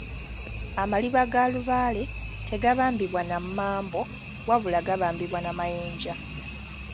Amaliba ga Lubaale tegabambibwa na mmambo wabula gabambibwa na mayinja.